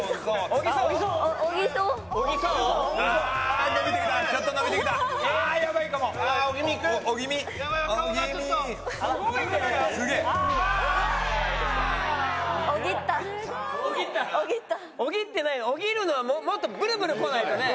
小木るのはもっとブルブルこないとね。